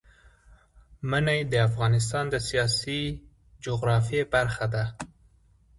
منی د افغانستان د سیاسي جغرافیه برخه ده.